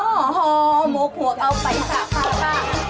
โอ้โฮโหมกหัวเอาไปจากภาพภาพ